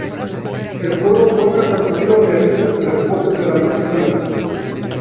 El juego cuenta con sonidos realistas y las voces de la película.